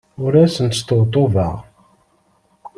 Ur asent-sṭebṭubeɣ.